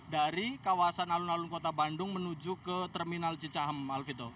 dari kawasan alun alun kota bandung menuju ke terminal cicahem alvito